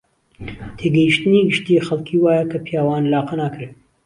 تێگەیشتنی گشتیی خەڵکی وایە کە پیاوان لاقە ناکرێن